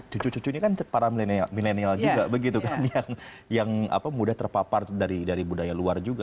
cucu cucu ini kan para milenial juga begitu kan yang mudah terpapar dari budaya luar juga